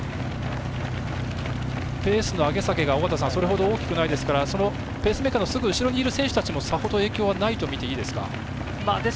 ペースの上げ下げがそれほど大きくないですからペースメーカーのすぐ後ろにいる選手もさほど影響ないとみていいですか。